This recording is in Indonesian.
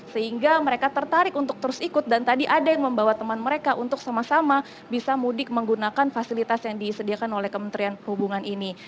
sehingga mereka tertarik untuk terus ikut dan tadi ada yang membawa teman mereka untuk sama sama bisa mudik menggunakan fasilitas yang disediakan oleh kementerian perhubungan ini